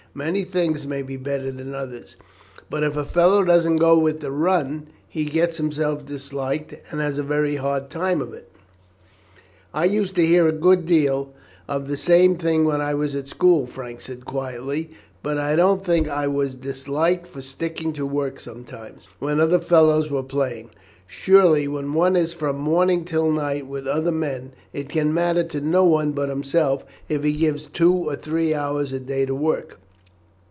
Many things may be better than others, but if a fellow doesn't go with the run he gets himself disliked, and has a very hard time of it." "I used to hear a good deal of the same thing when I was at school," Frank said quietly, "but I don't think I was disliked for sticking to work sometimes, when other fellows were playing. Surely when one is from morning till night with other men, it can matter to no one but himself if he gives two or three hours a day to work."